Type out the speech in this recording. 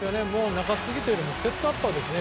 中継ぎというよりセットアッパーですね。